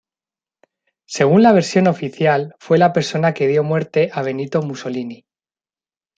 Según la versión oficial, fue la persona que dio muerte a Benito Mussolini.